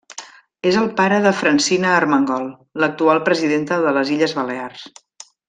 És el pare de Francina Armengol, l'actual presidenta de les Illes Balears.